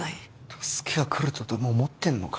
助けが来るとでも思ってんのか？